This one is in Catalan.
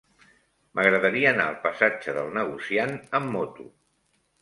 M'agradaria anar al passatge del Negociant amb moto.